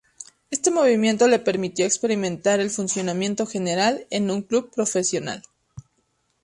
Este movimiento le permitió experimentar el funcionamiento general de un club profesional.